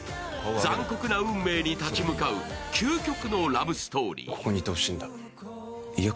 残酷な運命に立ち向かう究極のラブストーリー。